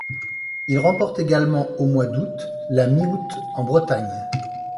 Il remporte également au mois d'août la Mi-août en Bretagne.